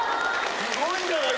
すごいんじゃない？